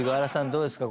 どうですか？